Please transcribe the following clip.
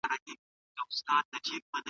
دا ځای خوندي دی